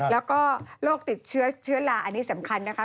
แล้วก็โรคติดเชื้อเชื้อลาอันนี้สำคัญนะคะ